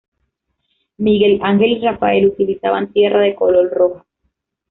Miguel Ángel y Rafael utilizaban tierra de color roja.